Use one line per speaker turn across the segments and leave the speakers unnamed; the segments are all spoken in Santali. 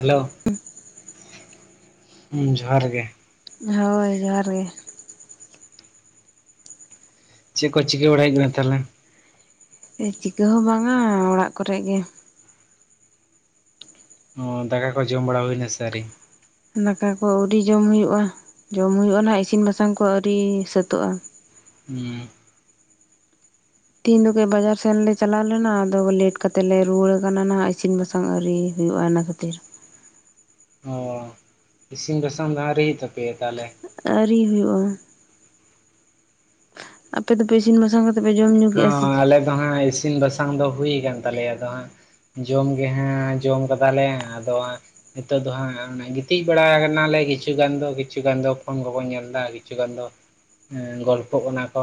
ᱦᱮᱞᱳ ᱦᱩᱸ ᱡᱚᱦᱟᱨ ᱜᱮ᱾
ᱦᱳᱭ ᱡᱚᱦᱟᱨ ᱜᱮ᱾
ᱪᱮᱜ ᱠᱚ ᱪᱤᱠᱟᱹ ᱵᱟᱲᱟᱭ ᱦᱩᱭᱩᱜ ᱠᱟᱱᱟ ᱛᱟᱦᱞᱮ?
ᱪᱮᱫ ᱪᱤᱠᱟᱹ ᱦᱚᱸ ᱵᱟᱝᱟ ᱚᱲᱟᱜ ᱠᱚᱨᱮᱜ ᱜᱮ᱾
ᱚ ᱫᱟᱠᱟ ᱠᱚ ᱡᱚᱢ ᱵᱟᱲᱟ ᱦᱩᱭᱱᱟ ᱥᱮ ᱟᱹᱣᱨᱤ?
ᱫᱟᱠᱟ ᱠᱚ ᱟᱹᱣᱨᱤ ᱡᱚᱢ ᱦᱩᱭᱩᱜᱼᱟ ᱡᱚᱢ ᱦᱩᱭᱩᱜᱼᱟ ᱱᱟᱸᱦᱜ ᱤᱥᱤᱱ ᱵᱟᱥᱟᱝ ᱠᱚ ᱟᱹᱣᱨᱤ ᱥᱟᱹᱛᱟᱹᱜᱼᱟ᱾
[unintelligible]
ᱛᱤᱦᱤᱧ ᱫᱚ ᱠᱟᱹᱡ ᱵᱟᱡᱟᱨ ᱥᱮᱱ ᱞᱮ ᱪᱟᱞᱟᱣ ᱞᱮᱱᱟ ᱟᱫᱚ ᱞᱮᱴ ᱠᱟᱛᱮ ᱞᱮ ᱨᱩᱣᱟᱹᱲ ᱟᱠᱟᱱᱟ ᱱᱟᱸᱦᱜ ᱤᱥᱤᱱ ᱵᱟᱥᱟᱝ ᱵᱟᱥᱟᱝ ᱟᱹᱣᱨᱤ ᱦᱩᱭᱩᱜᱼᱟ ᱚᱱᱟ ᱠᱷᱟᱹᱛᱤᱨ᱾
ᱚ ᱤᱥᱤᱱ ᱵᱟᱥᱟᱝ ᱫᱚ ᱟᱹᱣᱨᱤ ᱦᱩᱭᱩᱜ ᱛᱟᱯᱮᱭᱟ ᱛᱟᱦᱞᱮ?
ᱟᱹᱣᱨᱤ ᱦᱩᱭᱩᱜᱼᱟ᱾ ᱟᱯᱮ ᱫᱚᱯᱮ ᱤᱥᱤᱱ ᱵᱟᱥᱟᱝ ᱯᱮ ᱡᱚᱢ ᱧᱩ ᱠᱮᱜᱼᱟ ᱥᱮ
ᱦᱚᱸ ᱟᱞᱮ ᱫᱚ ᱦᱟᱸᱜ ᱤᱥᱤᱱ ᱵᱟᱥᱟᱝ ᱫᱚ ᱦᱩᱭ ᱟᱠᱟᱱ ᱛᱟᱞᱮᱭᱟ᱾ ᱟᱫᱚ ᱦᱟᱸᱜ ᱡᱚᱢ ᱜᱮ ᱦᱟᱸᱜ ᱡᱚᱢ ᱠᱟᱫᱟᱞᱮ ᱟᱫᱚ ᱱᱤᱛᱚᱜ ᱫᱚ ᱦᱟᱸᱜ ᱜᱤᱛᱤᱡ ᱵᱟᱲᱟ ᱠᱟᱱᱟᱞᱮ ᱠᱤᱪᱷᱩ ᱜᱟᱱ ᱫᱚ ᱠᱤᱪᱷᱩ ᱜᱟᱱ ᱫᱚ ᱯᱷᱳᱱ ᱠᱚᱠᱚ ᱧᱮᱞᱫᱟ, ᱠᱤᱪᱷᱩ ᱜᱟᱱ ᱫᱚ ᱜᱚᱞᱯᱚᱜ ᱠᱟᱱᱟ ᱠᱚ᱾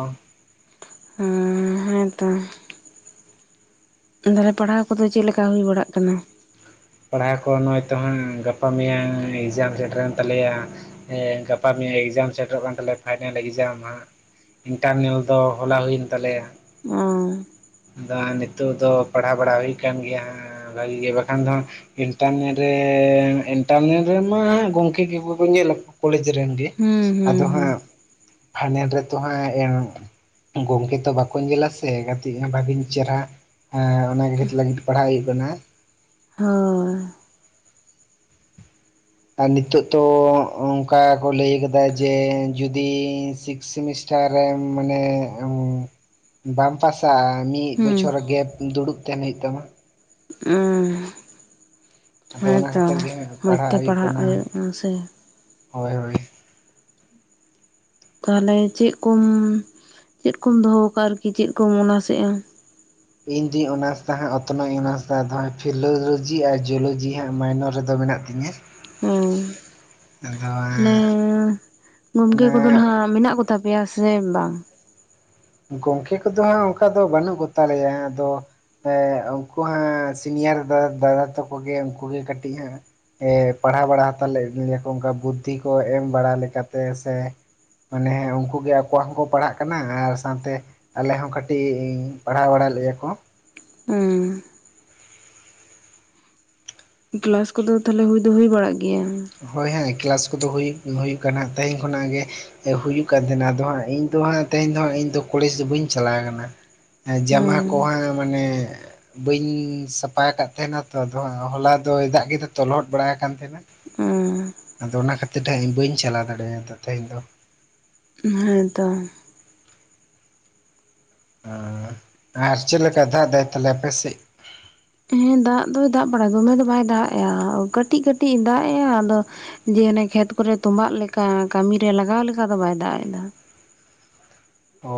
ᱦᱮᱸ ᱛᱚ ᱛᱟᱦᱞᱮ ᱯᱟᱲᱦᱟᱣ ᱠᱚᱫᱚ ᱪᱮᱫ ᱞᱮᱠᱟ ᱦᱩᱭ ᱵᱟᱲᱟᱜ ᱠᱟᱱᱟ?
ᱯᱟᱲᱦᱟᱣ ᱠᱚ ᱱᱚᱜᱼᱚᱭ ᱛᱚ ᱦᱟᱸᱜ ᱜᱟᱯᱟ ᱢᱮᱭᱟᱝ ᱮᱠᱡᱟᱢ ᱥᱮᱴᱮᱨᱮᱱ ᱛᱟᱞᱮᱭᱟ ᱦᱮᱸ ᱜᱟᱯᱟ ᱢᱮᱭᱟᱝ ᱮᱠᱡᱟᱢ ᱥᱮᱴᱮᱨᱚᱜ ᱠᱟᱱ ᱛᱟᱞᱮᱭᱟ ᱯᱷᱟᱭᱱᱮᱞ ᱮᱠᱡᱟᱢ ᱦᱟᱸᱜ ᱤᱱᱴᱟᱨᱱᱮᱞ ᱫᱚ ᱦᱚᱞᱟ ᱦᱩᱭᱮᱱ ᱛᱟᱞᱮᱭᱟ
ᱚ
ᱟᱫᱚ ᱦᱟᱸᱜ ᱱᱤᱛᱚᱜ ᱫᱚ ᱯᱟᱲᱦᱟᱣ ᱵᱟᱲᱟ ᱦᱩᱭᱩᱜ ᱠᱟᱱ ᱜᱮᱭᱟ ᱦᱟᱸᱜ ᱵᱷᱟᱜᱤ ᱜᱮ ᱵᱟᱠᱷᱟᱱ ᱫᱚ ᱤᱱᱴᱟᱨᱱᱮᱞ ᱨᱮ ᱤᱱᱴᱟᱨᱱᱮᱞ ᱨᱮᱢᱟ ᱜᱚᱢᱠᱮ ᱜᱮᱠᱚ ᱠᱚ ᱧᱮᱞ ᱟᱠᱚ ᱠᱚᱞᱮᱡᱽ ᱨᱮᱱ ᱜᱮ
ᱦᱩᱸ ᱦᱩᱸ
ᱟᱫᱚ
ᱦᱩᱸ
ᱦᱟᱸᱜ ᱯᱷᱟᱭᱱᱮᱞ ᱨᱮᱛᱚ ᱦᱟᱸᱜ ᱜᱚᱢᱠᱮ ᱛᱚ ᱵᱟᱠᱚ ᱧᱮᱞᱟ ᱥᱮ ᱠᱟᱹᱴᱤᱡ ᱵᱷᱟᱹᱜᱤ ᱪᱮᱨᱦᱟ ᱮᱸ ᱚᱱᱟ ᱠᱷᱟᱛᱤᱨ ᱞᱟᱹᱜᱤᱫ ᱯᱟᱲᱦᱟᱜ ᱦᱩᱭᱩᱜ ᱠᱟᱱᱟ
ᱦᱳᱭ
ᱟᱨ ᱱᱤᱛᱳᱜ ᱛᱚ ᱚᱱᱠᱟ ᱠᱚ ᱞᱟᱹᱭ ᱠᱟᱫᱟ ᱡᱮ ᱡᱩᱫᱤ ᱥᱤᱠᱥ ᱥᱮᱢᱤᱥᱴᱟᱨ ᱴᱟᱨᱮ ᱢᱟᱱᱮ ᱵᱟᱢ ᱯᱟᱥᱟ ᱢᱤᱫ
ᱦᱩᱸ
ᱵᱚᱪᱷᱚᱨ ᱜᱮᱯ ᱫᱩᱲᱩᱵ ᱛᱟᱦᱮᱸᱱ ᱦᱩᱭᱩᱜ ᱛᱟᱢᱟ
ᱚ
ᱟᱫᱚ ᱚᱱᱟ ᱠᱷᱟᱹᱛᱤᱨ ᱜᱮ ᱦᱟᱸᱜ ᱯᱟᱲᱦᱟᱜ ᱦᱩᱭᱩᱜ ᱠᱟᱱᱟ ᱦᱳᱭ ᱦᱳᱭ
ᱛᱟᱦᱚᱞᱮ ᱪᱮᱫ ᱠᱚᱢ ᱪᱮᱫ ᱠᱚᱢ ᱫᱚᱦᱚ ᱟᱠᱟᱜᱼᱟ ᱟᱨᱠᱤ ᱪᱮᱫ ᱠᱚᱢ ᱚᱱᱟᱥᱮᱜᱼᱟ?
ᱤᱧ ᱫᱩᱧ ᱚᱱᱟᱨᱥᱫᱟ ᱦᱟᱸᱜ ᱚᱛᱱᱚᱜ ᱤᱧ ᱚᱱᱟᱨᱥ ᱫᱟ ᱟᱫᱚ ᱯᱷᱤᱞᱳᱞᱚᱡᱤ ᱟᱨ ᱡᱤᱭᱳᱞᱚᱡᱤ ᱦᱟᱸᱜ ᱢᱟᱭᱱᱚᱨ ᱨᱮᱫᱚ ᱢᱮᱱᱟᱜ ᱛᱤᱧᱟ
ᱚ ᱛᱟᱞᱦᱮ ᱜᱚᱢᱠᱮ ᱠᱚᱫᱚ
ᱚᱱᱟ
ᱱᱟᱼᱦᱟᱸᱜ ᱢᱮᱱᱟᱜ ᱠᱚᱼᱼ ᱛᱟᱯᱮᱭᱟ ᱥᱮ ᱵᱟᱝ?
ᱜᱚᱝᱠᱮ ᱠᱚᱫᱚ ᱦᱟᱸᱜ ᱚᱱᱠᱟ ᱫᱚ ᱵᱟᱹᱱᱩᱜ ᱠᱚᱛᱟᱞᱮᱭᱟ ᱟᱫᱚ ᱮᱸᱜ ᱩᱱᱠᱩ ᱦᱟᱸᱜ ᱥᱤᱱᱤᱭᱟᱨ ᱫᱟᱫᱟ ᱫᱟᱫᱟ ᱛᱟᱠᱚᱜᱮ ᱩᱱᱠᱩ ᱜᱮ ᱠᱟᱹᱴᱤᱡ ᱦᱟᱸᱜ ᱦᱮᱸ ᱯᱟᱲᱦᱟᱣ ᱵᱟᱲᱟ ᱦᱟᱛᱟᱞᱮᱫ ᱞᱮᱭᱟᱠᱚ ᱚᱱᱠᱟ ᱵᱩᱫᱽᱫᱷᱤ ᱠᱚ ᱮᱢ ᱵᱟᱲᱟ ᱞᱮᱠᱟᱛᱮ ᱥᱮ ᱢᱟᱱᱮ ᱩᱱᱠᱩ ᱜᱮ ᱟᱠᱚᱣᱟᱜ ᱦᱚᱸᱠᱚ ᱯᱟᱲᱦᱟᱜ ᱠᱟᱱᱟ ᱟᱨ ᱥᱟᱶᱛᱮ ᱟᱞᱮ ᱦᱚᱸ ᱠᱟᱹᱴᱤᱡ ᱯᱟᱲᱦᱟᱣ ᱵᱟᱲᱟᱭᱮᱫ ᱞᱮᱭᱟ ᱠᱚ
ᱦᱩᱸ ᱠᱮᱞᱟᱥ ᱠᱚᱫᱚ ᱛᱟᱞᱦᱮ ᱦᱩᱭ ᱫᱚ ᱦᱩᱭ ᱵᱟᱲᱟᱜ ᱜᱮᱭᱟ?
ᱦᱳᱭ ᱦᱟᱸᱜ ᱠᱮᱞᱟᱥ ᱠᱚᱫᱚ ᱦᱩᱭ ᱦᱩᱭᱩᱜ ᱠᱟᱱᱟ ᱛᱮᱦᱮᱧ ᱠᱷᱚᱱᱟᱜ ᱜᱮ ᱦᱩᱭᱩᱜ ᱠᱟᱱ ᱛᱟᱦᱮᱱᱟ ᱟᱫᱚ ᱦᱟᱸᱜ ᱤᱧ ᱫᱚ ᱦᱟᱸᱜ ᱛᱮᱦᱮᱧ ᱫᱚ ᱦᱟᱸᱜ ᱤᱧ ᱫᱚ ᱠᱚᱞᱡᱽ ᱫᱚ ᱵᱟᱹᱧ ᱪᱟᱞᱟᱣ ᱠᱟᱱᱟ ᱮᱸ ᱡᱟᱢᱟ
ᱦᱮᱸ
ᱠᱚ ᱦᱟᱸᱜ ᱢᱟᱱᱮ ᱵᱟᱹᱧ ᱥᱟᱯᱟ ᱟᱠᱟᱫ ᱛᱟᱦᱮᱸᱱᱟ ᱛᱚ ᱟᱫᱚ ᱦᱚᱞᱟ ᱫᱚᱭ ᱫᱟᱜ ᱠᱮᱫᱟ ᱛᱚ ᱞᱚᱦᱚᱫ ᱵᱟᱲᱟ ᱠᱟᱱ ᱛᱟᱦᱮᱱᱟ ᱟᱫᱚ ᱚᱱᱟ ᱠᱷᱟᱹᱛᱤᱨ ᱛᱮ ᱦᱟᱸᱜ ᱤᱧ ᱵᱟᱹᱧ ᱪᱟᱞᱟᱣ ᱫᱟᱲᱮᱭᱟᱫᱟ ᱛᱮᱦᱮᱧ ᱫᱚ
ᱦᱮᱸᱛᱚ
ᱚᱻ ᱟᱨ ᱪᱮᱫ ᱞᱮᱠᱟ ᱫᱟᱜ ᱫᱟᱭ ᱛᱟᱞᱦᱮ ᱟᱯᱮᱥᱮᱫ?
ᱦᱮᱸ ᱫᱟᱜ ᱫᱚᱭ ᱫᱟᱜ ᱵᱟᱲᱟᱭᱟ ᱫᱚᱢᱮ ᱫᱚ ᱵᱟᱭ ᱫᱟᱜ ᱮᱼᱟ ᱠᱟᱹᱴᱤᱡ ᱠᱟᱹᱴᱤᱡ ᱮ ᱫᱟᱜ ᱮᱼᱟ ᱟᱫᱚ ᱡᱮ ᱚᱱᱮ ᱠᱷᱮᱛ ᱠᱚᱨᱮ ᱛᱚᱸᱵᱟᱜ ᱞᱮᱠᱟ ᱠᱟᱹᱢᱤ ᱨᱮ ᱞᱟᱜᱟᱣ ᱞᱮᱠᱟ ᱫᱚ ᱵᱟᱭ ᱫᱟᱜ ᱮᱫᱟ
ᱚ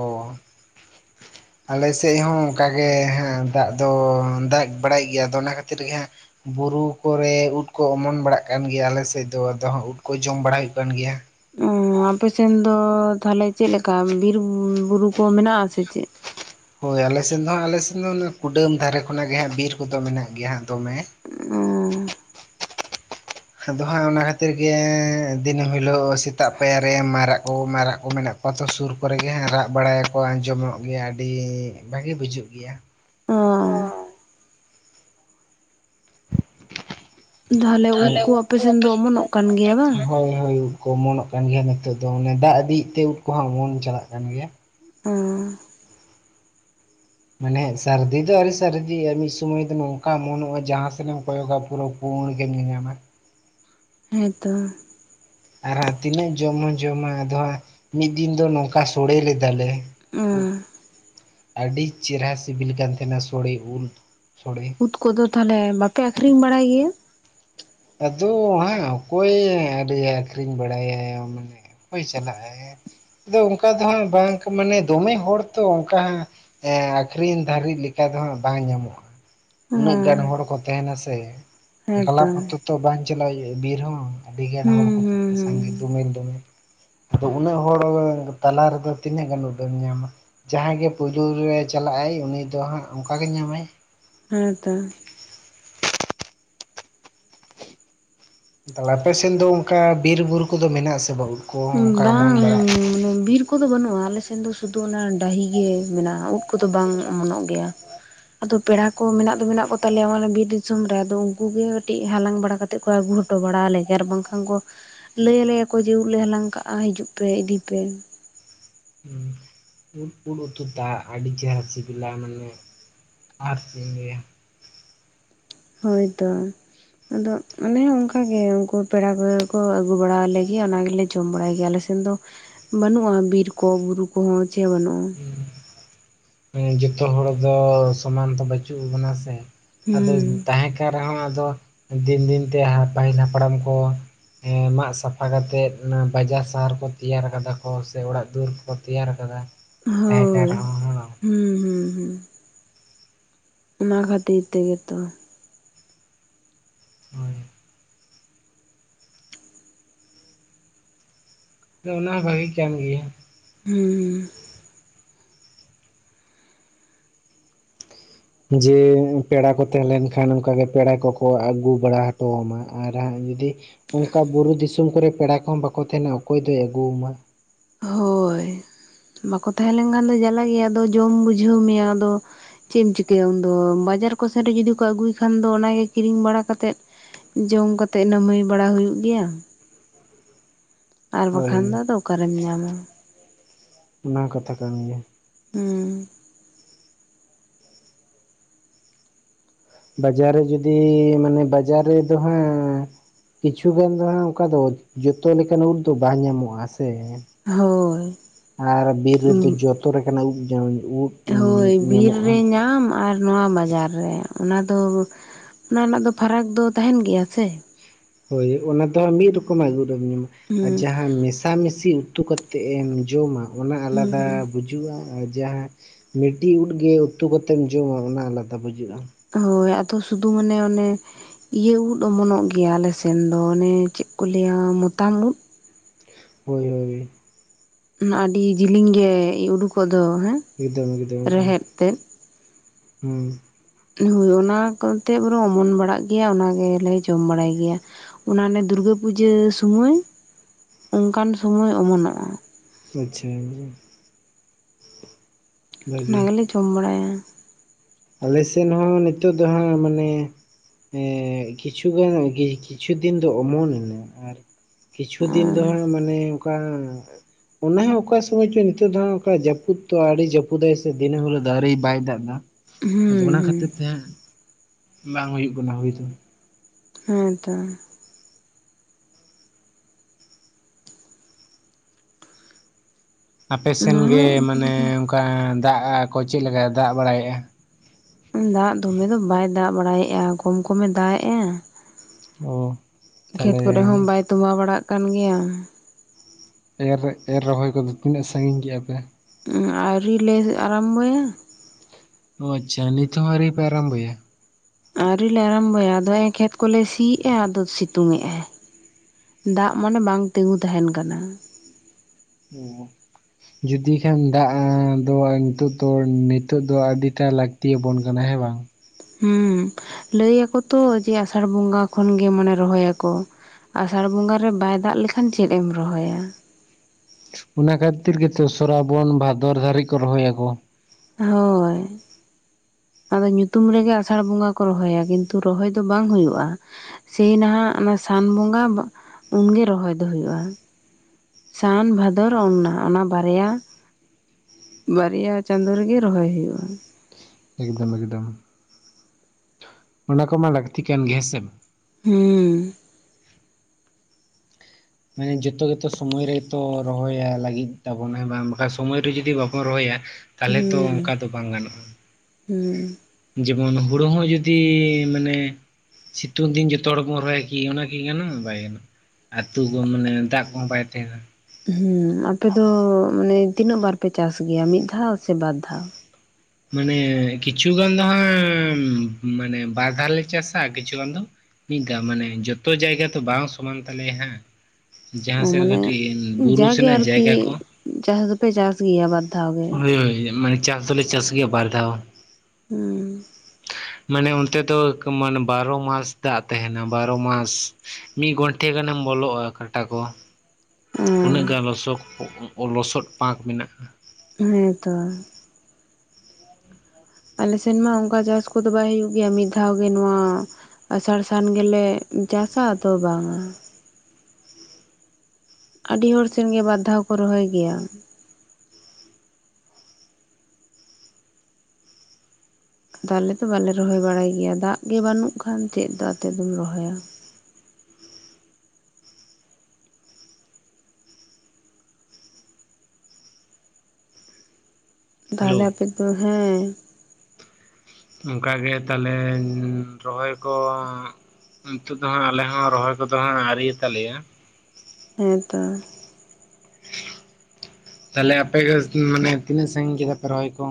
ᱟᱞᱮ ᱥᱮᱫ ᱦᱚᱸ ᱚᱱᱠᱟᱜᱮ ᱦᱟᱸᱜ ᱫᱟᱜ ᱫᱚ ᱫᱟᱜ ᱵᱟᱲᱟᱭ ᱜᱮᱭᱟ ᱟᱫᱚ ᱚᱱᱟ ᱠᱷᱟᱹᱛᱤᱨ ᱜᱮ ᱦᱟᱸᱜ ᱵᱩᱨᱩ ᱠᱚᱨᱮ ᱩᱫ ᱠᱚ ᱚᱢᱚᱱ ᱵᱟᱲᱟᱜ ᱠᱟᱱ ᱜᱮᱭᱟ ᱟᱞᱮᱥᱮᱫ ᱫᱚ ᱟᱫᱚ ᱦᱟᱸᱜ ᱩᱫ ᱠᱚ ᱡᱚᱢ ᱵᱟᱲᱟ ᱦᱩᱭᱩᱜ ᱠᱟᱱ ᱜᱮᱭᱟ
ᱟᱯᱮᱥᱱ ᱫᱚ ᱛᱟᱦᱚᱞᱮ ᱪᱮᱫ ᱞᱮᱠᱟ ᱵᱤᱨ ᱵᱩᱨᱩ ᱠᱚ ᱢᱮᱱᱟᱜᱼᱟ ᱥᱮ ᱪᱮᱫ?
ᱦᱳᱭ ᱟᱞᱮᱥᱮᱱ ᱫᱚ ᱦᱟᱸᱜ ᱟᱞᱮᱥᱮᱱ ᱫᱚ ᱚᱱᱟ ᱠᱩᱰᱟᱹᱢ ᱫᱷᱟᱨᱮ ᱠᱷᱚᱱᱟᱜ ᱜᱮ ᱦᱟᱸᱜ ᱵᱤᱨ ᱠᱚᱫᱚ ᱢᱮᱱᱟᱜ ᱜᱮᱭᱟ ᱦᱟᱸᱜ ᱫᱚᱢᱮ
ᱚ
ᱟᱫᱚ ᱦᱟᱸᱜ ᱚᱱᱟ ᱠᱷᱟᱹᱛᱤᱨ ᱜᱮ ᱫᱤᱱᱟᱹᱢ ᱦᱤᱞᱳᱜ ᱥᱮᱛᱟᱜ ᱯᱟᱭᱟᱨ ᱨᱮ ᱢᱟᱨᱟᱜ ᱠᱚ ᱢᱟᱨᱟᱜ ᱠᱚ ᱢᱮᱱᱟᱜ ᱟᱛᱳ ᱥᱩᱨ ᱠᱚᱨᱮ ᱜᱮ ᱦᱟᱸᱜ ᱨᱟᱜ ᱵᱟᱲᱟᱭᱟᱠᱚ ᱟᱸᱡᱚᱢᱚᱜ ᱜᱮᱭᱟ ᱟᱹᱰᱤ ᱵᱷᱟᱹᱜᱮ ᱵᱩᱡᱩᱜ ᱜᱮᱭᱟ
ᱚ
ᱛᱟᱞᱦᱮ ᱩᱫ ᱠᱚ ᱟᱯᱮᱥᱮᱫ ᱫᱚ ᱚᱢᱚᱱᱚᱜ ᱠᱟᱱ ᱜᱮᱭᱟ? ᱦᱳᱭ ᱦᱳᱭ ᱠᱚ ᱚᱢᱚᱱᱚᱜ ᱠᱟᱱ ᱜᱮᱭᱟ ᱱᱤᱛᱚᱜ ᱫᱚ ᱚᱱᱮ ᱫᱟᱜ ᱤᱫᱤᱭᱜ ᱛᱮ ᱩᱫ ᱠᱚᱦᱚᱸ ᱚᱢᱚᱱ ᱪᱟᱞᱟᱜ ᱠᱟᱱ ᱜᱮᱭᱟ
ᱚ
ᱢᱟᱱᱮ ᱥᱟᱹᱨᱫᱤ ᱫᱚ ᱟᱣᱨᱤ ᱥᱟᱹᱨᱫᱤᱜᱼᱟ ᱟᱨ ᱢᱤᱫ ᱥᱩᱢᱚᱭ ᱫᱚ ᱱᱚᱝᱠᱟ ᱚᱢᱚᱱᱚᱜᱼᱟ ᱡᱟᱦᱟᱸᱥᱮᱫ ᱮᱢ ᱠᱚᱭᱚᱜᱟ ᱯᱩᱨᱟᱹ ᱯᱳᱸᱲ ᱜᱮᱢ ᱧᱮᱧᱟᱢᱟ
ᱦᱮᱸ ᱛᱚ᱾
ᱟᱨ ᱦᱟᱸᱜ ᱛᱤᱱᱟᱹᱜ ᱡᱚᱢ ᱦᱚᱸ ᱡᱚᱢᱟ ᱟᱫᱚ ᱦᱟᱸᱜ ᱢᱤᱫ ᱫᱤᱱ ᱫᱚ ᱱᱚᱝᱠᱟ ᱥᱳᱲᱮ ᱞᱮᱫᱟᱞᱮ᱾
ᱚ
ᱩᱫ ᱟᱹᱰᱤ ᱪᱮᱨᱦᱨᱟ ᱥᱤᱵᱤᱞ ᱠᱟᱱ ᱛᱟᱦᱮᱱᱟ ᱥᱚᱲᱮ ᱩᱫ ᱥᱚᱲᱮ᱾
ᱩᱫ ᱠᱚᱫᱚ ᱛᱟᱦᱞᱮ ᱵᱟᱯᱮ ᱟᱠᱷᱨᱤᱧ ᱵᱟᱲᱟᱭ ᱜᱮᱭᱟ?
ᱟᱫᱚ ᱦᱟᱸᱜ ᱚᱠᱚᱭᱮ ᱟᱫᱚᱭ ᱟᱹᱠᱷᱨᱤᱧ ᱵᱟᱲᱟᱭᱟᱭ ᱢᱟᱱᱮ ᱚᱠᱚᱭ ᱪᱟᱞᱟᱜ-ᱟᱭ? ᱟᱫᱚ ᱚᱝᱠᱟ ᱫᱚ ᱦᱟᱸᱜ ᱵᱟᱝ ᱢᱟᱱᱮ ᱫᱚᱢᱮ ᱦᱚᱲ ᱛᱚ ᱚᱝᱠᱟ ᱦᱟᱸᱜ᱾ ᱦᱮᱸ ᱟᱹᱠᱷᱨᱤᱧ ᱫᱷᱟᱹᱨᱤᱡ ᱞᱮᱠᱟ ᱫᱚ ᱦᱟᱸᱜ ᱵᱟᱝ ᱧᱟᱢᱚᱜᱼᱟ᱾
ᱚ
ᱩᱱᱟᱹᱜ ᱜᱟᱱ ᱦᱚᱲ ᱠᱚ ᱛᱟᱦᱮᱱᱟ ᱥᱮ ᱮᱠᱞᱟ
ᱦᱮᱸᱛᱚ
ᱢᱚᱛᱚ ᱛᱚ ᱵᱟᱝ ᱪᱟᱞᱟᱣ ᱦᱩᱭᱩᱜᱼᱟ ᱵᱤᱨ ᱦᱚᱸ᱾ ᱟᱹᱰᱤᱜᱟᱱ
ᱦᱩᱸ
ᱦᱚᱲ ᱠᱚ
ᱦᱩᱸ ᱦᱩᱸ
ᱥᱟᱸᱜᱮ ᱫᱚᱢᱮᱞ ᱫᱚᱢᱮᱞ᱾ ᱟᱫᱚ ᱩᱱᱟᱹᱜ ᱦᱚᱲ ᱛᱟᱞᱟ ᱨᱮᱫᱚ ᱛᱤᱱᱟᱹᱜ ᱜᱟᱱ ᱩᱫ-ᱮᱢ ᱧᱟᱢᱟ? ᱡᱟᱦᱟᱸᱭ ᱜᱮ ᱯᱳᱭᱞᱳ ᱨᱮᱭ ᱪᱟᱞᱟᱜᱼᱟᱭ ᱩᱱᱤ ᱫᱚ ᱦᱟᱸᱜ ᱚᱱᱠᱟ ᱜᱮ ᱧᱟᱢᱟᱭ᱾
ᱦᱮᱸ ᱛᱚ᱾
ᱛᱟᱦᱞᱮ ᱟᱯᱮᱥᱮᱱ ᱫᱚ ᱚᱱᱠᱟ ᱵᱤᱨ ᱵᱩᱨᱩ ᱠᱚᱫᱚ ᱢᱮᱱᱟᱜ-ᱟ ᱥᱮ ᱵᱟᱹᱱᱩᱜ-ᱟ?
ᱵᱟᱝ ᱢᱟᱱᱮ ᱵᱤᱨ ᱠᱚᱫᱚ ᱵᱟᱹᱱᱩᱜ-ᱟ ᱟᱞᱮᱥᱮᱱ ᱫᱚ ᱥᱩᱫᱷᱩ ᱚᱱᱟ ᱰᱟᱹᱦᱤ ᱜᱮ ᱢᱮᱱᱟᱜ-ᱟ ᱩᱫ ᱠᱚᱫᱚ ᱵᱟᱝ ᱚᱢᱚᱱᱚᱜ ᱜᱮᱭᱟ᱾ ᱟᱫᱚ ᱯᱮᱲᱟ ᱠᱚ ᱢᱮᱱᱟᱜ ᱫᱚ ᱢᱮᱱᱟᱜ ᱠᱚᱛᱟᱞᱮᱭᱟ ᱚᱱᱮ ᱵᱤᱨ ᱫᱤᱥᱚᱢ ᱨᱮ ᱟᱫᱚ ᱩᱝᱠᱩᱜᱮ ᱠᱟᱹᱴᱤᱡ ᱦᱟᱞᱟᱝ ᱵᱟᱲᱟ ᱠᱟᱛᱮᱫ᱾ ᱠᱟᱛᱮᱜ ᱠᱚ ᱟᱹᱜᱩ ᱦᱚᱴᱚ ᱵᱟᱲᱟ ᱟᱞᱮ ᱜᱮᱭᱟ ᱟᱨ ᱵᱟᱝᱠᱷᱟᱱ ᱠᱚ ᱞᱟᱹᱭ ᱟᱞᱮᱭᱟ ᱠᱚ ᱡᱮ ᱩᱫ ᱞᱮ ᱦᱟᱞᱟᱝ ᱠᱟᱜ-ᱟ ᱦᱤᱡᱩᱜ ᱯᱮ ᱤᱫᱤ ᱯᱮ᱾
ᱦᱩᱸ, ᱩᱫ ᱩᱫ ᱩᱛᱩᱴᱟᱜ ᱟᱹᱰᱤ ᱪᱮᱦᱨᱟ ᱥᱤᱵᱤᱞᱟ ᱢᱟᱱᱮ᱾ ᱟᱨ ᱪᱮᱫ ᱤᱧ ᱞᱟᱹᱭᱟ?
ᱦᱳᱭ ᱛᱚ᱾ ᱟᱫᱚ ᱚᱱᱮ ᱚᱱᱠᱟ ᱜᱮ ᱩᱱᱠᱩ ᱯᱮᱲᱟ ᱠᱚ ᱠᱚ ᱟᱹᱜᱩ ᱵᱟᱲᱟ ᱟᱞᱮᱜᱮ, ᱚᱱᱟ ᱜᱮᱞᱮ ᱡᱚᱢ ᱵᱟᱲᱟᱭ ᱜᱮᱭᱟ ᱟᱞᱮ ᱥᱮᱫ᱾ ᱥᱮᱫ ᱫᱚ ᱵᱟᱹᱱᱩᱜᱼᱟ ᱵᱤᱨ ᱠᱚ ᱵᱩᱨᱩ ᱠᱚᱦᱚᱸ ᱪᱮᱫ ᱵᱟᱹᱱᱩᱜᱼᱟ᱾
ᱡᱚᱛᱚ ᱦᱚᱲ ᱫᱚ ᱥᱚᱢᱟᱱ ᱛᱚ ᱵᱟᱹᱪᱩᱜᱵᱱᱟ ᱥᱮ? ᱟᱫᱚ
ᱦᱩᱸ
ᱛᱟᱦᱮᱸ ᱠᱟᱱ ᱨᱮᱦᱚᱸ ᱟᱫᱚ, ᱫᱤᱱ ᱫᱤᱱᱛᱮ ᱯᱟᱹᱦᱤᱞ ᱦᱟᱯᱲᱟᱢ ᱠᱚ ᱦᱮᱸ ᱢᱟᱜ ᱥᱟᱯᱷᱟ ᱠᱟᱛᱮᱜ ᱵᱟᱡᱟᱨ ᱥᱟᱦᱟᱨ ᱠᱚ ᱛᱮᱭᱟᱨ ᱟᱠᱟᱫᱟ ᱠᱚ ᱥᱮ ᱚᱲᱟᱜ ᱫᱩᱣᱟᱹᱨ ᱠᱚ ᱛᱮᱭᱟᱨ ᱟᱠᱟᱫᱟ᱾ ᱛᱟᱦᱮᱸ ᱠᱟᱱ
ᱦᱳᱭ
ᱨᱮᱦᱚᱸ ᱦᱚᱲ
ᱦᱩᱸ ᱦᱩᱸ ᱦᱩᱸ᱾ ᱚᱱᱟ ᱠᱷᱟᱹᱛᱤᱨ ᱛᱮᱜᱮ ᱛᱚ,
ᱦᱳᱭ, ᱟᱫᱚ ᱚᱱᱟ ᱦᱚᱸ ᱵᱷᱟᱜᱤ ᱠᱟᱱ ᱜᱮᱭᱟ᱾
ᱦᱩᱸ
ᱡᱮ ᱯᱮᱲᱟ ᱠᱚ ᱛᱟᱦᱮᱸ ᱞᱮᱱᱠᱷᱟᱱ ᱚᱱᱠᱟᱜᱮ ᱯᱮᱲᱟ ᱠᱚ ᱠᱚ ᱟᱹᱜᱩ ᱵᱟᱲᱟ ᱦᱚᱴᱚ ᱟᱢᱟ ᱟᱨ ᱦᱟᱸᱜ ᱡᱩᱫᱤ ᱚᱱᱠᱟ ᱵᱩᱨᱩ ᱫᱤᱥᱚᱢ ᱠᱚᱨᱮ ᱯᱮᱲᱟ ᱠᱚᱦᱚᱸ ᱵᱟᱠᱚ ᱛᱟᱦᱮᱱᱟ ᱚᱠᱚᱭ ᱫᱚᱭ ᱟᱹᱜᱩᱣ ᱟᱢᱟ᱾
ᱦᱳᱭ ᱵᱟᱠᱚ ᱛᱟᱦᱮᱸ ᱞᱮᱱᱠᱷᱟᱱ ᱫᱚ ᱡᱟᱞᱟ ᱜᱮᱭᱟ ᱟᱫᱚ ᱡᱚᱢ ᱵᱩᱡᱷᱟᱹᱣ ᱢᱮᱭᱟ ᱟᱫᱚ, ᱪᱮᱫ ᱮᱢ ᱪᱤᱠᱟᱹᱭᱟ ᱩᱱᱫᱚ ᱵᱟᱡᱟᱨ ᱠᱚᱥᱮᱱ ᱨᱮ ᱡᱚᱫᱤ ᱠᱚ ᱟᱹᱜᱩᱭ ᱠᱷᱟᱱ ᱫᱚ ᱚᱱᱟᱜᱮ ᱠᱤᱨᱤᱧ ᱵᱟᱲᱟ ᱠᱟᱛᱮᱫ ᱡᱚᱢ ᱠᱟᱛᱮᱜ ᱱᱟᱢᱟᱹᱭ ᱵᱟᱲᱟ ᱦᱩᱭᱩᱜ ᱜᱮᱭᱟ᱾ ᱟᱨ ᱵᱟᱠᱷᱟᱱ
ᱦᱳᱭ
ᱫᱚ ᱟᱫᱚ ᱚᱠᱟᱨᱮᱢ ᱧᱟᱢᱟ᱾
ᱚᱱᱟ ᱦᱚᱸ ᱠᱟᱛᱷᱟ ᱠᱟᱱ ᱜᱮᱭᱟ
ᱦᱩᱸ
ᱵᱟᱡᱟᱨ ᱨᱮ ᱡᱩᱫᱤ ᱢᱟᱱᱮ ᱵᱟᱡᱟᱨ ᱨᱮᱫᱚ ᱦᱮᱸ ᱠᱤᱪᱷᱩ ᱜᱟᱱ ᱫᱚ ᱦᱟᱜ ᱚᱱᱠᱟ ᱫᱚ ᱡᱚᱛᱚ ᱞᱮᱠᱟᱱ ᱩᱫᱽ ᱫᱚ ᱵᱟᱝ ᱧᱟᱢᱚᱜᱼᱟ ᱥᱮᱼᱼ
ᱦᱳᱭ
ᱟᱨ ᱵᱤᱨ ᱨᱮᱫᱚ ᱡᱚᱛᱚ ᱞᱮᱠᱟᱱᱟᱜ ᱩᱵ ᱡᱮᱢᱚᱱ ᱩᱵ
ᱦᱳᱭ ᱵᱤᱨ ᱨᱮ ᱧᱟᱢ ᱟᱨᱼᱼ ᱱᱚᱣᱟ ᱵᱟᱡᱟᱨ ᱨᱮ ᱚᱱᱟ ᱫᱚ ᱚᱱᱟ ᱨᱮᱱᱟᱜ ᱫᱚ ᱯᱷᱟᱨᱟᱠ ᱫᱚ ᱛᱟᱦᱮᱱ ᱜᱮᱭᱟ ᱥᱮᱼᱼ
ᱦᱳᱭ, ᱚᱱᱟ ᱫᱚ ᱦᱟᱸ ᱢᱤᱫ ᱨᱚᱠᱚᱢᱟᱜ ᱩᱫ ᱮᱢ ᱧᱟᱢᱟ ᱟᱨ
ᱦᱩᱸ
ᱡᱟᱸᱦᱟᱸ ᱢᱮᱥ ᱟᱛ ᱢᱤᱥᱤ ᱩᱛᱩ ᱠᱟᱛᱮ ᱮᱢ ᱡᱚᱢᱟ ᱚᱱᱟ ᱟᱞᱟᱫᱟ
ᱦᱩᱸ
ᱵᱩᱡᱼᱼ ᱵᱩᱡᱩᱜᱼᱟ ᱟᱨ ᱡᱟᱦᱟᱸ ᱢᱤᱴᱤᱡ ᱩᱫ ᱜᱮ ᱩᱛᱩ ᱠᱟᱛᱮᱢ ᱡᱚᱢᱟ ᱚᱱᱟ ᱟᱞᱟᱫᱟ ᱵᱩᱡᱩᱜᱼᱟ᱾
ᱦᱳᱭ, ᱟᱫᱚ ᱥᱩᱫᱩ ᱢᱟᱱᱮ ᱚᱱᱮ ᱤᱭᱟᱹ ᱩᱫ ᱚᱢᱚᱱᱚᱜ ᱜᱮᱭᱟ ᱟᱞᱮᱥᱱ ᱫᱚ ᱚᱱᱮ ᱪᱮᱫ ᱠᱚ ᱞᱟᱹᱭᱟ ᱢᱚᱛᱟᱢ ᱩᱫ
ᱦᱳᱭ ᱦᱳᱭ
ᱟᱹᱰᱤ ᱡᱤᱞᱤᱧ ᱜᱮ ᱩᱰᱩᱠᱚᱜ ᱫᱚ ᱦᱮᱸ
ᱢᱤᱫᱫᱚᱢ ᱮᱠᱫᱚᱢ ᱦᱮᱸ
ᱨᱮᱦᱮᱫ ᱛᱮᱫ ᱚᱱᱟ ᱠᱚᱛᱮ ᱵᱚᱞᱮ ᱚᱢᱚᱱ ᱵᱟᱲᱟᱜ ᱜᱮᱭᱟ ᱚᱱᱟ ᱜᱮᱞᱮ ᱡᱚᱢ ᱵᱟᱲᱟᱭ ᱜᱮᱭᱟ᱾ ᱚᱱᱟᱚᱱᱮ ᱫᱩᱨᱜᱟᱹ ᱯᱩᱡᱟᱹ ᱥᱩᱢᱚᱭ ᱚᱱᱠᱟᱱ ᱥᱩᱢᱚᱭ ᱚᱢᱚᱱᱚᱜᱼᱟ᱾
ᱟᱪᱪᱷᱟ
ᱚᱱᱟ
ᱵᱷᱟᱹᱜᱤ
ᱜᱮᱞᱮ ᱡᱚᱢ ᱵᱟᱲᱟ ᱭᱟ,
ᱟᱞᱮ ᱥᱮᱫ ᱦᱚᱸ ᱱᱤᱛᱚᱜ ᱫᱚ ᱦᱟᱸᱜ ᱢᱟᱱᱮ ᱠᱤᱪᱷᱩ ᱜᱟᱱ ᱠᱤᱪᱷᱩ ᱫᱤᱱ ᱫᱚ ᱚᱢᱚᱱᱮᱱᱟ ᱟᱨ ᱠᱤᱪᱷᱩ ᱫᱤᱱ
ᱟᱨ
ᱫᱚ ᱦᱟᱸᱜ ᱢᱟᱱᱮ ᱚᱱᱠᱟ ᱚᱱᱟ ᱦᱚᱸᱚᱸ ᱚᱠᱟ ᱥᱚᱢᱚᱭ ᱪᱚ ᱱᱤᱛᱚᱜ ᱫᱚᱚᱱ ᱡᱟᱹᱯᱩᱫ ᱛᱚ ᱟᱹᱰᱤ ᱡᱟᱹᱯᱩᱫᱟᱭ ᱥᱮ ᱫᱤᱱᱟᱹ ᱦᱤᱞᱳᱜ ᱫᱟᱨᱮ ᱵᱟᱭ ᱫᱟᱜ ᱮᱫᱟ᱾ ᱟᱫᱚ ᱚᱱᱟ ᱠᱷᱟᱹᱛᱤᱨ
ᱦᱩᱸ
ᱛᱮ ᱦᱟᱸᱜ ᱵᱟᱝ ᱦᱩᱭᱩᱜ ᱠᱟᱱᱟ ᱦᱩᱭ ᱫᱚ᱾
ᱦᱮᱸ ᱛᱚ,
ᱟᱯᱮᱥᱮᱫ
ᱚᱱᱟ
ᱜᱮ
ᱦᱚᱸ ᱩᱱᱠᱩ
ᱢᱟᱱᱮ
ᱫᱚᱠᱚ
ᱚᱱᱠᱟ ᱫᱟᱜ ᱠᱚ ᱪᱮᱫᱞᱮᱠᱟ ᱫᱟᱜ ᱵᱟᱲᱟᱭᱮᱫᱼᱟ?
ᱫᱟᱜ ᱫᱚᱢᱮ ᱫᱚ ᱵᱟᱭ ᱫᱟᱜ ᱵᱟᱲᱟᱭᱮᱫᱼᱟ ᱠᱚᱢ ᱠᱚᱢᱮ ᱫᱟᱜ ᱮᱜᱼᱟ᱾
ᱚ
ᱠᱷᱮᱛ
ᱛᱟᱦᱚᱞᱮ
ᱠᱚᱨᱮ ᱦᱚᱸ ᱵᱟᱭ ᱛᱚᱵᱟᱣ ᱵᱟᱲᱟᱜ ᱠᱟᱱ ᱜᱮᱭᱟ᱾
ᱮᱨ ᱮᱨ ᱨᱚᱦᱚᱭ ᱠᱚ ᱫᱚ ᱛᱤᱱᱟᱹᱜ ᱥᱟᱺᱜᱤᱧ ᱠᱮᱫᱼᱟ ᱯᱮ
ᱟᱹᱣᱨᱤᱞᱮ ᱟᱨᱟᱢᱵᱚᱭᱟ
ᱚ ᱟᱪᱪᱷᱟ ᱱᱤᱛᱚᱜ ᱦᱚᱸ ᱟᱣᱨᱤ ᱯᱮ ᱟᱨᱚᱢᱵᱷᱚᱭᱟ?
ᱟᱹᱣᱨᱤᱤᱞ ᱞᱮ ᱟᱨᱟᱢᱵᱚᱭᱟ ᱟᱫᱚ ᱠᱷᱮᱛ ᱠᱚᱞᱮ ᱥᱤᱭᱼᱟ ᱟᱫᱚ ᱥᱤᱛᱩᱝ ᱮᱼᱟ᱾ ᱫᱟᱜ ᱢᱟᱱᱮ ᱵᱟᱝ ᱛᱤᱸᱜᱩ ᱛᱟᱦᱮᱱ ᱠᱟᱱᱟ᱾
ᱳᱻ ᱡᱩᱫᱤ ᱠᱷᱟᱱ ᱫᱟᱜ ᱮᱸ ᱫᱟᱹᱲᱟ ᱱᱤᱛᱚᱜ ᱫᱚ ᱱᱤᱛᱚᱜ ᱫᱚ ᱟᱹᱰᱤᱴᱟᱜ ᱞᱟᱹᱠᱛᱤᱭᱟᱵᱚᱱ ᱠᱟᱱᱟ ᱦᱮᱸ ᱵᱟᱝ?
ᱦᱮᱸ ᱞᱟᱹᱭᱟᱠᱚ ᱛᱚ, ᱡᱮ ᱟᱥᱟᱲ ᱵᱚᱸᱜᱟ ᱠᱷᱚᱱᱜᱮ ᱢᱟᱱᱮ ᱨᱚᱦᱚᱭᱟᱠᱚ᱾ ᱟᱥᱟᱲ ᱵᱚᱸᱜᱟ ᱨᱮ ᱵᱟᱭ ᱫᱟᱜ ᱞᱮᱠᱷᱟᱱ ᱪᱮᱫ ᱮᱢ ᱨᱚᱦᱚᱭᱟ᱾
ᱚᱱᱟ ᱠᱷᱟᱹᱛᱤᱨ ᱜᱮᱛᱚ ᱥᱚᱨᱟᱵᱚᱱ ᱵᱷᱟᱫᱚᱨ ᱦᱟᱹᱨᱤᱡ ᱠᱚ ᱨᱚᱦᱚᱭᱟᱠᱚ᱾
ᱦᱳᱭ᱾ ᱟᱫᱚ ᱧᱩᱛᱩᱢ ᱨᱮᱜᱮ ᱟᱥᱟᱲ ᱵᱚᱸᱜᱟ ᱠᱚ ᱨᱚᱦᱚᱭᱟ ᱠᱤᱱᱛᱩ ᱨᱚᱦᱚᱭ ᱫᱚ ᱵᱟᱝ ᱦᱩᱭᱩᱜ-ᱟ᱾ ᱥᱮᱭ ᱱᱟᱦᱟᱜ ᱚᱱᱟ ᱥᱟᱱ ᱵᱚᱸᱜᱟ ᱩᱱᱜᱮ ᱨᱚᱦᱚᱭ ᱫᱚ ᱦᱩᱭᱩᱜ-ᱟ᱾ ᱥᱟᱱ ᱵᱷᱟᱫᱚᱨ ᱚᱱᱱᱟ, ᱚᱱᱟ ᱵᱟᱨᱭᱟ᱾ ᱵᱟᱨᱭᱟ ᱪᱟᱸᱫᱚ ᱨᱮᱜᱮ ᱨᱚᱦᱚᱭ ᱦᱩᱭᱩᱜ-ᱟ᱾
ᱮᱠᱫᱚᱢ ᱮᱠᱫᱚᱢ, ᱚᱱᱟ ᱠᱚᱢᱟ ᱞᱟᱹᱠᱛᱤ ᱠᱟᱱ ᱜᱮ ᱦᱮᱸ ᱥᱮ᱾
ᱦᱩᱸ᱾
ᱢᱟᱱᱮ ᱡᱚᱛᱚ ᱜᱮᱛᱚ ᱥᱚᱢᱚᱭ ᱨᱮᱛᱚ ᱨᱚᱦᱚᱭᱟ ᱞᱟᱹᱜᱤᱫ ᱛᱟᱵᱚᱱᱟ ᱦᱮᱸ ᱵᱟᱝ ᱵᱟᱠᱷᱟᱱ ᱥᱚᱢᱚᱭ ᱨᱮ ᱡᱩᱫᱤ ᱵᱟᱵᱚᱱ ᱨᱚᱦᱚᱭᱟ᱾ ᱛᱟᱦᱞᱮ ᱛᱚ ᱚᱝᱠᱟ
ᱦᱩᱸ
ᱫᱚ ᱵᱟᱝ ᱜᱟᱱᱚᱜ-ᱟ᱾
ᱦᱩᱸ᱾
ᱡᱮᱢᱚᱱ ᱦᱩᱲᱩ ᱦᱚᱸ ᱡᱩᱫᱤ ᱢᱟᱱᱮ᱾ ᱥᱤᱛᱩᱝ ᱫᱤᱱ ᱡᱚᱛᱚ ᱦᱚᱲ ᱵᱚᱱ ᱨᱚᱦᱚᱭᱟ ᱠᱤ ᱚᱱᱟ ᱠᱤ ᱜᱟᱱᱚᱜ-ᱟ? ᱵᱟᱭ ᱜᱟᱱᱚᱜ-ᱟ᱾ ᱟᱹᱛᱩ ᱠᱚ ᱢᱟᱱᱮ ᱫᱟᱜ ᱠᱚᱦᱚᱸ ᱵᱟᱭ ᱛᱟᱦᱮᱱᱟ᱾
ᱦᱩᱸ, ᱟᱯᱮ ᱫᱚ ᱢᱟᱱᱮ ᱛᱤᱱᱟᱹᱜ ᱵᱟᱨ ᱯᱮ ᱪᱟᱥ ᱜᱮᱭᱟ ᱢᱤᱫ ᱫᱷᱟᱣ ᱥᱮ ᱵᱟᱨ ᱫᱷᱟᱣ?
ᱢᱟᱱᱮ ᱠᱤᱪᱷᱩ ᱜᱟᱱ ᱫᱚ ᱦᱟᱸᱜ ᱢᱟᱱᱮ ᱵᱟᱨ ᱫᱷᱟᱣᱞᱮ ᱪᱟᱥᱟ ᱠᱤᱪᱷᱩ ᱜᱟᱱ ᱫᱚ ᱢᱤᱫ ᱫᱷᱟᱣ᱾ ᱢᱟᱱᱮ ᱡᱚᱛᱚ ᱡᱟᱭᱜᱟ ᱛᱚ ᱵᱟᱝ ᱥᱚᱢᱟᱱ ᱛᱟᱞᱮᱭᱟ ᱦᱟᱸᱜ᱾
ᱚ
ᱡᱟᱦᱟᱸ ᱥᱮᱫ
ᱢᱟᱱᱮ
ᱠᱟᱹᱴᱤᱡ ᱵᱩᱨᱩ
ᱡᱟᱜᱮ
ᱥᱮᱱᱟᱜ
ᱟᱨᱠᱤ
ᱡᱟᱭᱜᱟ ᱠᱚ᱾
ᱪᱟᱥ ᱫᱚᱯᱮ ᱪᱟᱥ ᱜᱮᱭᱟ ᱵᱟᱨ ᱫᱷᱟᱣ ᱜᱮ
ᱦᱳᱭ ᱦᱳᱭ ᱢᱟᱱᱮ ᱪᱟᱥ ᱫᱚᱞᱮ ᱪᱟᱥ ᱜᱮᱭᱟ ᱵᱟᱨ ᱫᱷᱟᱣ᱾
ᱦᱩᱸ᱾
ᱢᱟᱱᱮ ᱚᱱᱛᱮ ᱫᱚ ᱢᱟᱱ ᱵᱟᱨᱚ ᱢᱟᱥ ᱫᱟᱜ ᱛᱟᱦᱮᱱᱟ ᱵᱟᱨᱚ ᱢᱟᱥ᱾ ᱢᱤᱫ ᱜᱚᱱᱴᱷᱮ ᱜᱟᱱᱮᱢ ᱵᱚᱞᱚᱜ-ᱟ ᱠᱟᱴᱟ ᱠᱚ᱾ ᱩᱱᱟᱹᱜ
ᱦᱮᱸ
ᱜᱟᱱ ᱞᱚᱥᱚᱠ ᱞᱚᱥᱚᱫ ᱯᱟᱸᱠ ᱢᱮᱱᱟᱜ-ᱟ᱾
ᱦᱮᱸ ᱛᱚ᱾ ᱟᱞᱮ ᱥᱮᱱ ᱢᱟ ᱚᱱᱠᱟ ᱪᱟᱥ ᱠᱚᱫᱚ ᱵᱟᱭ ᱦᱩᱭᱩᱜᱜ ᱜᱮᱭᱟ ᱢᱤᱫ ᱫᱷᱟᱣ ᱜᱮ ᱱᱚᱣᱟ᱾ ᱟᱥᱟᱲ ᱥᱟᱱ ᱜᱮᱞᱮ ᱪᱟᱥᱟ ᱟᱫᱚ ᱵᱟᱝᱟ᱾ ᱟᱹᱰᱤ ᱦᱚᱲ ᱥᱮᱱ ᱜᱮ ᱵᱟᱨᱫᱷᱟᱣ ᱠᱚ ᱨᱚᱦᱚᱭ ᱜᱮᱭᱟ᱾ ᱟᱞᱮ ᱫᱚ ᱵᱟᱞᱮ ᱨᱚᱦᱚᱭ ᱵᱟᱲᱟᱭ ᱜᱮᱭᱟ ᱫᱟᱜ ᱜᱮ ᱵᱟᱹᱱᱩᱜ ᱠᱷᱟᱱ ᱪᱮᱫ ᱫᱟᱜ ᱛᱮᱫᱚᱢ ᱨᱚᱦᱚᱭᱟ᱾ ᱛᱟᱦᱚᱞᱮ
ᱦᱮᱞᱳ
ᱟᱯᱮᱫᱚ ᱦᱮᱸᱼᱼ
ᱚᱱᱠᱟᱜᱮ ᱛᱟᱦᱞᱮ ᱨᱚᱦᱚᱭ ᱠᱚᱼᱼ ᱱᱤᱛᱚᱜ ᱫᱚ ᱦᱟᱜ ᱟᱞᱮ ᱦᱚᱸ ᱨᱚᱦᱚᱭ ᱠᱚᱫᱚ ᱦᱟᱜ ᱟᱣᱨᱤᱭᱟᱜ ᱛᱟᱞᱮᱭᱟ᱾
ᱦᱮᱸᱛᱚ
ᱛᱟᱦᱞᱮ ᱟᱯᱮ ᱜᱮ ᱢᱟᱱᱮ ᱛᱤᱱᱟᱹᱜ ᱥᱟᱺᱜᱤᱧ ᱠᱮᱫᱟ ᱯᱮ ᱨᱚᱦᱚᱭ ᱠᱚ?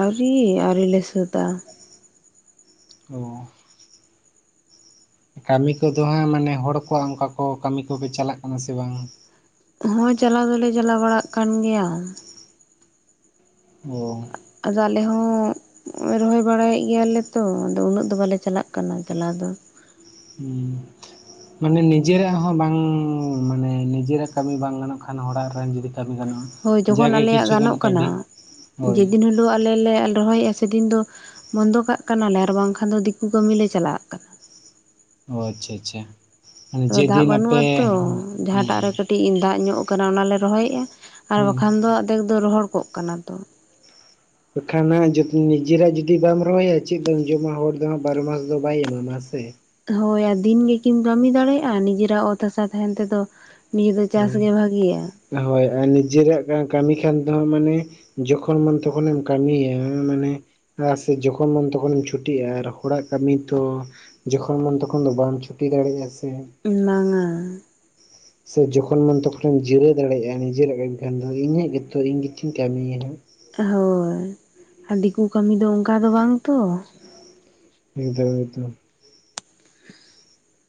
ᱟᱹᱣᱨᱤ ᱟᱹᱣᱤᱞ ᱞᱮ ᱥᱟᱹᱛᱟ
ᱚ ᱠᱟᱹᱢᱤ ᱠᱚᱫᱚ ᱦᱟᱸᱜ ᱢᱟᱱᱮ ᱦᱚᱲ ᱠᱚᱣᱟᱜ ᱚᱱᱠᱟ ᱠᱚ ᱠᱟᱹᱢᱤ ᱠᱚᱜᱮ ᱪᱟᱞᱟᱜ ᱠᱟᱱᱟ ᱥᱮ ᱵᱟᱝ?
ᱦᱚᱸ ᱪᱟᱞᱟᱣ ᱫᱚᱞᱮ ᱪᱟᱞᱟᱣ ᱵᱟᱲᱟᱜ ᱠᱟᱱ ᱜᱮᱭᱟ᱾
ᱚ
ᱟᱫᱚ ᱟᱞᱮ ᱦᱚᱸ ᱨᱚᱦᱚᱭ ᱵᱟᱲᱟᱭᱮᱫ ᱜᱮᱭᱟᱞᱮ ᱛᱚ ᱟᱫᱚ ᱩᱱᱟᱹᱜ ᱫᱚ ᱵᱟᱞᱮ ᱪᱟᱞᱟᱜ ᱠᱟᱱᱟ ᱪᱟᱞᱟᱣ ᱫᱚ᱾
ᱦᱮᱸ᱾ ᱢᱟᱱᱮ ᱱᱤᱡᱮᱨᱟᱜ ᱦᱚᱸ ᱵᱟᱝ ᱢᱟᱱᱮ ᱱᱤᱡᱮᱨᱟᱜ ᱠᱟᱹᱢᱤ ᱵᱟᱝ ᱜᱟᱱᱚᱜ ᱠᱷᱟᱱ ᱦᱚᱲᱟᱜ ᱨᱮᱦᱚ ᱡᱩᱫᱤ ᱠᱟᱹᱢᱤ ᱜᱟᱱᱚᱜᱼᱟ᱾
ᱦᱳᱭ ᱡᱚᱠᱷᱚᱱ
ᱡᱟᱜᱮ
ᱟᱞᱮᱭᱟᱜ
ᱠᱤᱪᱷᱩ
ᱜᱟᱱᱚᱜ
ᱜᱟᱱ
ᱠᱟᱱᱟ
ᱠᱟᱹᱣᱰᱤ ᱦᱳᱭ
ᱡᱮᱫᱤᱱ ᱦᱤᱞᱳᱼᱼ ᱟᱩ ᱟᱞᱮᱞᱮ ᱞᱮ ᱨᱚᱦᱚᱭᱮᱫᱼᱟ ᱥᱮᱫᱤᱱ ᱫᱚ ᱵᱚᱱᱫᱚ ᱠᱟᱜ ᱠᱟᱱᱟᱞᱮ ᱟᱨ ᱵᱟᱝᱠᱷᱟᱱ ᱫᱚ ᱫᱤᱠᱩ ᱠᱟᱹᱢᱤ ᱞᱮ ᱪᱟᱞᱟᱜᱟᱜ ᱠᱟᱱᱟ᱾
ᱚᱻ ᱟᱪᱪᱷᱟ ᱟᱪᱪᱷᱟ᱾ ᱢᱟᱱᱮ
ᱟᱫᱚ ᱫᱟᱜ
ᱡᱮᱫᱤᱱ
ᱵᱟᱹᱱᱩᱜ ᱟᱛᱚ
ᱟᱯᱮ
ᱡᱟᱦᱟᱸᱴᱟᱜ ᱨᱮ ᱠᱟᱹᱴᱤᱡᱼᱼ ᱠᱟᱹᱴᱤᱡᱧ ᱫᱟᱜ ᱧᱚᱜ ᱟᱠᱟᱱᱟ ᱚᱱᱟᱞᱮ ᱨᱚᱦᱚᱭᱮᱫᱼᱟ ᱟᱨ
ᱦᱩᱸ
ᱵᱟᱠᱷᱟᱱ ᱫᱚ ᱟᱫᱷᱮᱠ ᱫᱚ ᱨᱚᱦᱚᱲ ᱠᱚᱜ ᱠᱟᱱᱟ ᱛᱚ
ᱵᱟᱠᱷᱟᱱ ᱱᱤᱡᱮᱨᱟᱜ ᱡᱩᱫᱤ ᱵᱟᱢ ᱨᱚᱦᱚᱭᱟ ᱪᱮᱫ ᱮᱢ ᱡᱚᱢᱟ ᱦᱚᱲ ᱫᱚ ᱵᱟᱨᱚ ᱢᱟᱥ ᱫᱚ ᱵᱟᱭ ᱮᱢᱟᱢᱟ ᱥᱮ᱾
ᱦᱚᱭ ᱟᱨ ᱫᱤᱱᱜᱮ ᱠᱤᱱ ᱠᱟᱹᱢᱤ ᱫᱟᱲᱮᱭᱟᱜ-ᱟ ᱱᱤᱡᱮᱨᱟᱜ ᱚᱛ ᱦᱟᱥᱟ ᱛᱟᱦᱮᱱ ᱛᱮᱫᱚᱼᱼ ᱱᱤᱭᱟᱹ ᱫᱚ ᱪᱟᱥ ᱜᱮ ᱵᱷᱟᱹᱜᱭᱟ᱾
ᱦᱚᱭ ᱟᱨ ᱱᱤᱡᱮᱟᱜ ᱠᱟᱹᱢᱤ ᱠᱷᱟᱱ ᱛᱮᱦᱚᱸ ᱢᱟᱱᱮᱼᱼ ᱡᱚᱠᱷᱚᱱ ᱢᱚᱱ ᱛᱚᱠᱷᱚᱱᱮᱢ ᱠᱟᱹᱢᱤᱭᱟ ᱢᱟᱱᱮ ᱟᱨ ᱥᱮ ᱡᱚᱠᱷᱚᱱᱢ ᱛᱚᱠᱷᱚᱱᱮᱢ ᱪᱷᱩᱴᱤᱜ-ᱟ ᱟᱨ ᱦᱚᱲᱟᱜ ᱠᱟᱹᱢᱤ ᱛᱚᱼᱼ ᱡᱚᱠᱷᱚᱱ ᱢᱚᱱ ᱛᱚᱠᱷᱚᱱ ᱫᱚ ᱵᱟᱢ ᱪᱷᱩᱴᱤ ᱫᱟᱲᱮᱭᱟᱜ-ᱟ ᱥᱮ᱾
ᱵᱟᱝᱼᱟ᱾
ᱥᱮ ᱡᱚᱠᱷᱚᱱ ᱢᱚᱱ ᱛᱚᱠᱷᱚᱱᱮᱢ ᱡᱤᱨᱟᱹᱣ ᱫᱟᱲᱮᱭᱟᱜ-ᱟ ᱱᱤᱡᱮᱨᱟᱜ ᱮᱢ ᱠᱷᱟᱱ ᱫᱚ ᱤᱧᱟᱹᱜ ᱜᱮᱛᱚ ᱤᱧ ᱜᱮᱛᱤᱚᱧ ᱠᱟᱹᱢᱤᱭᱱᱟᱜ᱾
ᱦᱚᱭ ᱟᱨ ᱫᱤᱠᱩ ᱠᱟᱹᱢᱤ ᱫᱚ ᱚᱱᱠᱟ ᱫᱚ ᱵᱟᱝ ᱛᱚ᱾
ᱮᱠᱫᱚᱢ ᱮᱠᱫᱚᱢ